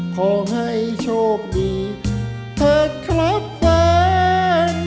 ขอให้โชคดีเถิดครับแฟน